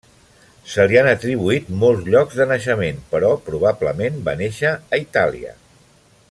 Se li han atribuït molts llocs de naixement, però probablement va néixer a Itàlia.